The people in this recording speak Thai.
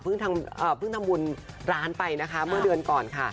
เพิ่งทำบุญร้านไปนะคะเมื่อเดือนก่อนค่ะ